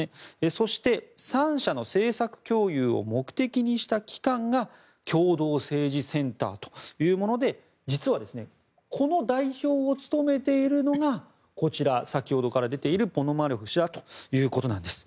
そして、３者の政策共有を目的にした機関が共同政治センターというもので実は、この代表を務めているのが先ほどから出ているポノマリョフ氏ということなんです。